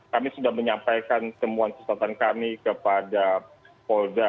kami sudah menyampaikan temuan kesempatan kami kepada polda